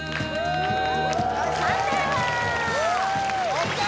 ＯＫ